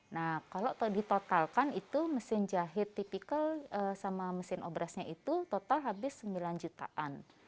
nah kalau ditotalkan itu mesin jahit tipikal sama mesin obrasnya itu total habis sembilan jutaan